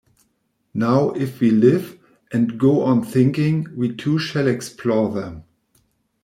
Now if we live, and go on thinking, we too shall explore them.